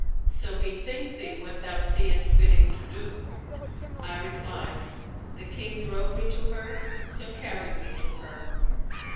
So bethink thee what thou seest fitting to do.' I replied, 'The King drove me to her; so carry me to her.'